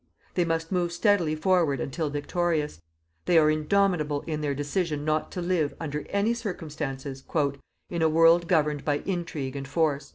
They must move steadily forward until victorious. They are indomitable in their decision not to live, under any circumstances, "in a world governed by intrigue and force."